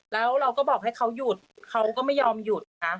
แล้วเราก็บอกให้เขาหยุดเขาก็ไม่ยอมหยุดนะคะ